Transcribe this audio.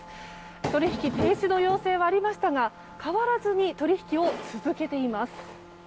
取引停止の要請はありましたが変わらずに取引を続けています。